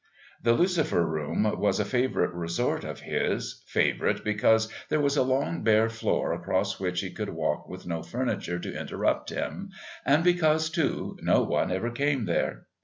The Lucifer Room was a favourite resort of his, favourite because there was a long bare floor across which he could walk with no furniture to interrupt him, and because, too, no one ever came there.